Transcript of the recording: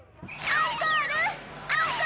アンコール！